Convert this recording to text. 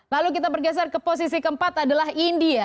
lalu kita bergeser ke posisi keempat adalah india